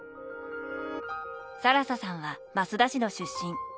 更沙さんは益田市の出身。